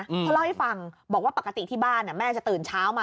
เขาเล่าให้ฟังบอกว่าปกติที่บ้านแม่จะตื่นเช้ามา